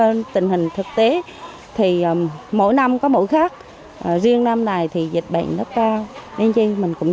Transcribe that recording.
nên tình hình thực tế thì mỗi năm có mỗi khác riêng năm này thì dịch bệnh nó cao nên chứ mình cũng